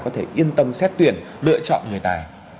có thể yên tâm xét tuyển lựa chọn người tài